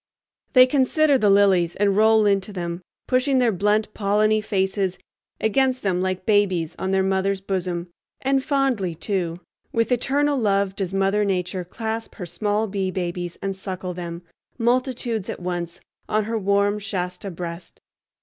They consider the lilies and roll into them, pushing their blunt polleny faces against them like babies on their mother's bosom; and fondly, too, with eternal love does Mother Nature clasp her small bee babies and suckle them, multitudes at once, on her warm Shasta breast.